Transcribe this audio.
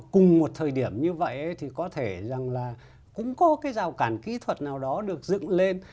cùng một thời điểm như vậy thì có thể rằng là cũng có cái rào cản kỹ thuật nào đó được dựng lên